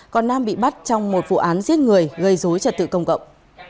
còn nam bị bắt trong một vụ án giết người gây dối trật tự công cộng